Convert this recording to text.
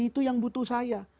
itu yang butuh saya